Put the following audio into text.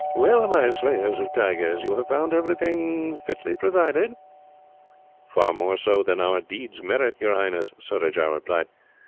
"Well, my slayers of tigers, you have found everything fitly provided?" "Far more so than our deeds merit, your Highness," Surajah replied.